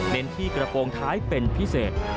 ที่กระโปรงท้ายเป็นพิเศษ